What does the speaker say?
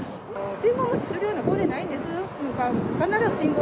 信号無視するような子でないんです。